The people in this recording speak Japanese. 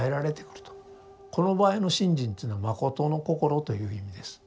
この場合の信心というのは信心という意味です。